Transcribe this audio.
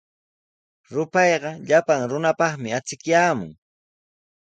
Rupayqa llapan runapaqmi achikyaamun.